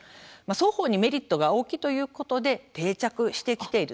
双方にメリットが大きいということで定着してきているんですね。